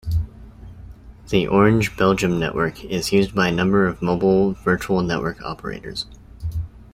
The Orange Belgium network is used by a number of mobile virtual network operators.